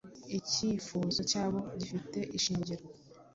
Icyifuzo cyabo gifite ishingiro